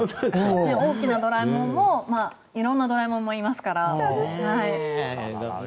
大きなドラえもんもいろんなドラえもんもいます。